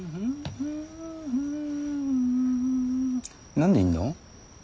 何でいんの？